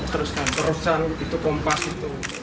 teruskan itu kompas itu